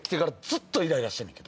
ずっとイライラしてんねん。